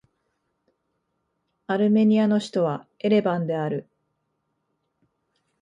アルメニアの首都はエレバンである